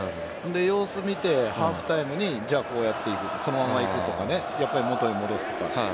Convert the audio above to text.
様子を見てハーフタイムにじゃあ、こうやっていくそのまま行くとか元に戻すとか。